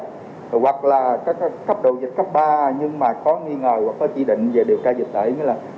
hoặc là các cấp độ dịch cấp ba nhưng mà có nghi ngờ hoặc có chỉ định về điều tra dịch tẩy